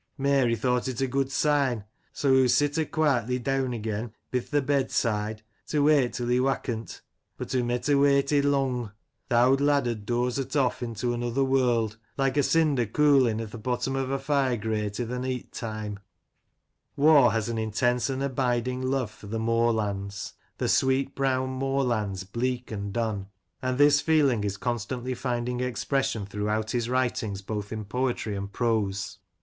Mary thought it a good sign; so hoo sit her quietly deawn again bith th' bedside, to wait till he wakkent But hoo met ha' waited lung. Th' owd lad had doze't off into another world, — like a cinder coolin' i' th' bottom ov a fire grate i' th' neet time." Waugh has an intense and abiding love for the moorlands. The sweet brown moorlands bleak and dun, and this feeling is constantly finding expression throughout his writings both in poetry and prose.